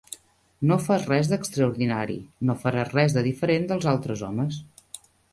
No fas res d'extraordinari, no faràs res de diferent dels altres homes.